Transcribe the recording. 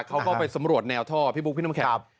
เขาก็ไปสำรวจแนวท่อพี่บุ๊คพี่น้ำแข็ง